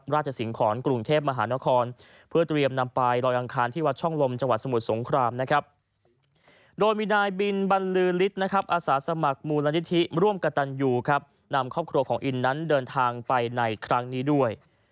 โรมินายบิณบรรลือฤทธิ์อาสาสมัครมูลนิธิร่วมกระตันอยู่นำครอบครัวของอินนั้นเดินทางไปในครั้งนี้ด้วย